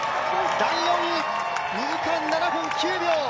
第４位２時間７分９秒。